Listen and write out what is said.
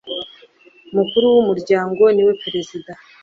Mukuru w Umuryango niwe Perezida